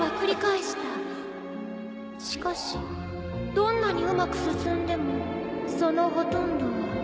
しかしどんなにうまく進んでもそのほとんどは。